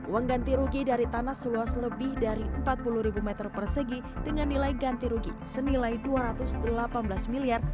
uang ganti rugi dari tanah seluas lebih dari empat puluh ribu meter persegi dengan nilai ganti rugi senilai dua ratus delapan belas miliar